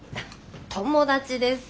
友達です。